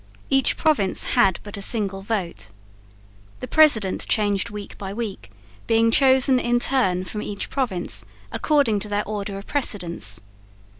Each province had but a single vote. The president changed week by week, being chosen in turn from each province according to their order of precedence.